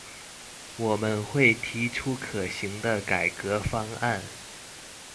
我們會提出可行的改革方案